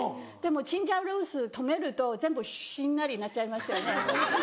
チンジャオロースー止めると全部しんなりなっちゃいますよね。